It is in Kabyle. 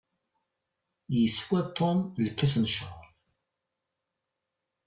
Yeswa Tom lkas n ccrab.